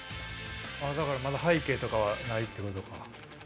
だからまだ背景とかはないってことか。